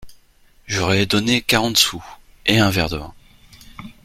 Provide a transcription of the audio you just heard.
Je leur ai donné quarante sous… et un verre de vin !…